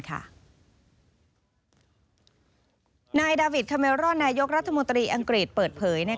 นายดาวิทคาเมรอนนายกรัฐมนตรีอังกฤษเปิดเผย